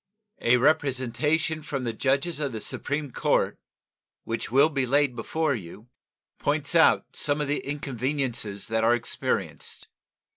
A representation from the judges of the Supreme Court, which will be laid before you, points out some of the inconveniences that are experienced.